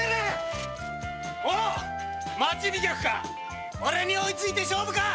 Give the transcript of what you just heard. おう町飛脚かオレに追いついて勝負か？